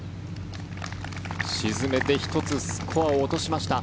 沈めて１つスコアを落としました。